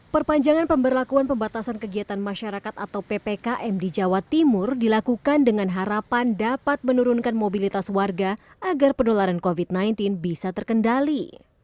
perpanjangan pemberlakuan pembatasan kegiatan masyarakat atau ppkm di jawa timur dilakukan dengan harapan dapat menurunkan mobilitas warga agar penularan covid sembilan belas bisa terkendali